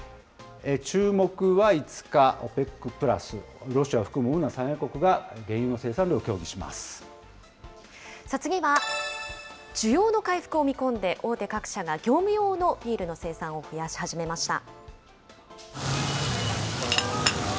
注目は５日、ＯＰＥＣプラス、ロシアを含む主な産油国が、原油の次は、需要の回復を見込んで、大手各社が業務用のビールの生産を増やし始めました。